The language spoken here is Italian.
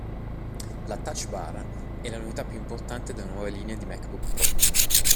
La Touch Bar è la novità più importante della nuova linea di MacBook Pro.